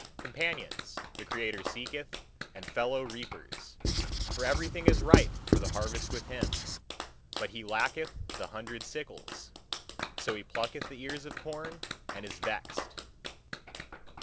Companions, the creator seeketh, and fellow reapers: for everything is ripe for the harvest with him. But he lacketh the hundred sickles: so he plucketh the ears of corn and is vexed.